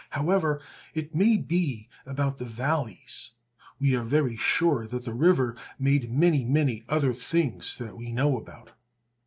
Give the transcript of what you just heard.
However, it may be about the valleys, we are very sure that the river made many, many other things that we know about.